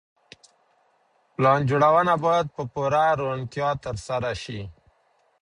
پلان جوړونه بايد په پوره روڼتيا ترسره سي.